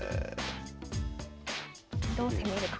どう攻めるか。